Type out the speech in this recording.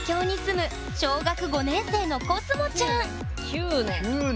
９年。